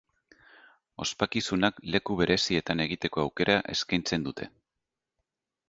Ospakizunak leku berezietan egiteko aukera eskaintzen du.